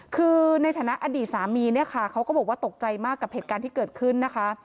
คือในฐานะอดีตสามีเนี่ยค่ะเขาก็บอกว่าตกใจมากกับเหตุการณ์ที่เกิดขึ้นนะคะ